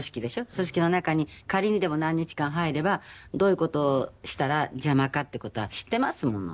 組織の中に仮にでも何日間入ればどういう事をしたら邪魔かっていう事は知ってますもの。